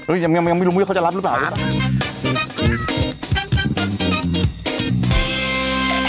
เอ้ยยังไม่รู้มึงว่าเขาจะรับรึเปล่าหรือเปล่า